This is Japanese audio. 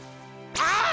あっ！